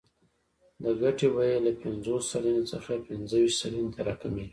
د ګټې بیه له پنځوس سلنې څخه پنځه ویشت سلنې ته راکمېږي